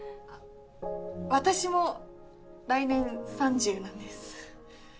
私も来年３０なんです。